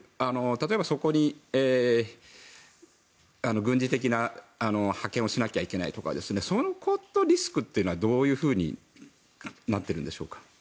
例えば、そこに軍事的な派遣をしないといけないとかそういうリスクというのはどういうふうになっているのでしょうか。